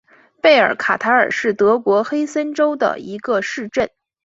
贝尔卡塔尔是德国黑森州的一个市镇。